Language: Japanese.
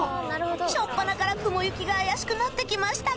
しょっぱなから雲行きが怪しくなってきましたが